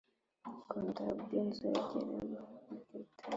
ubukonde bw inzogera babwitaga